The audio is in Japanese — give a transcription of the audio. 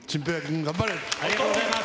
ありがとうございます。